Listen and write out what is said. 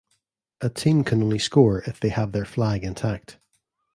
A team can only score if they have their flag intact.